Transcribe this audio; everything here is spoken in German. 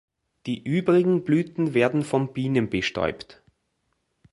Die übrigen Blüten werden von Bienen bestäubt.